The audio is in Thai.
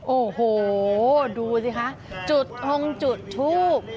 โอ้โหดูสิคะจุดทงจุดทูบ